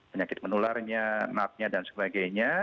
penyakit menularnya nap nya dan sebagainya